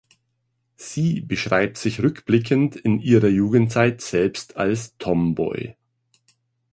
Sie beschreibt sich rückblickend in ihrer Jugendzeit selbst als Tomboy.